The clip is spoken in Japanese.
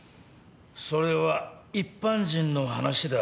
それは一般人の話だ。